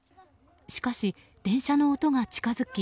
しかし、電車の音が近づき。